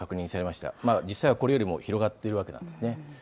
まだ実際はこれよりも広がっているわけなんですね。